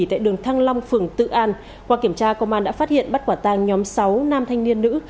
tại đường thăng long phường tự an qua kiểm tra công an đã phát hiện bắt quả tang nhóm sáu nam thanh niên nữ